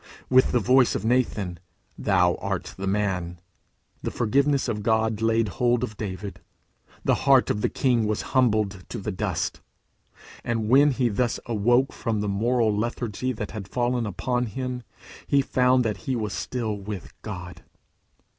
With the voice of Nathan, "Thou art the man," the forgiveness of God laid hold of David, the heart of the king was humbled to the dust; and when he thus awoke from the moral lethargy that had fallen upon him, he found that he was still with God.